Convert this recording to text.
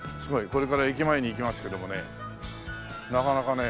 これから駅前に行きますけどもねなかなかね。